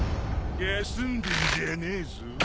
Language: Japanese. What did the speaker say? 休んでんじゃねえぞ。